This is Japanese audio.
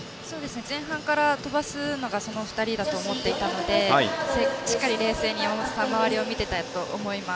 前半から飛ばすのがその２人だと思っていたのでしっかり冷静に山本さんが周りを見ていたと思います。